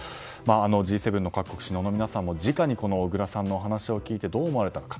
Ｇ７の各国首脳の皆さんもじかに小倉さんのお話を聞いてどう思われたのか。